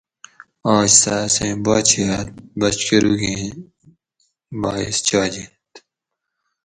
آج سہ اسیں باچہت بچ کۤروگیں باعث چاجینت